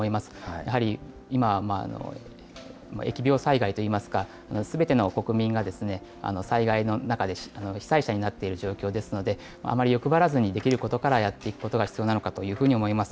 やはり今、疫病災害といいますか、すべての国民が災害の中で被災者になっている状況ですので、あまり欲張らずにできることからやっていくことが必要なのかというふうに思います。